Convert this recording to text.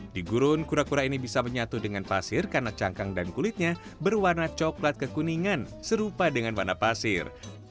di gurun kura kura ini bisa menyatu dengan pasir karena cangkang dan kulitnya berwarna coklat kekuningan serupa dengan warna pasir